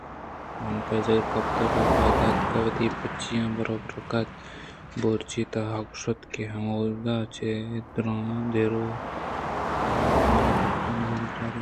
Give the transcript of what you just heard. بانک زہر گپت ءُپاد اتک وتی پُچاں بروبر کُتءُبورچی ءِ تہا شت کہ ہمودا چہ دیر ءَ مردمانی گپ ءُنُرنڈگانی توار اَت